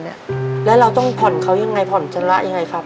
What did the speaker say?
แล้วเราต้องผ่อนเขายังไงผ่อนชำระยังไงครับ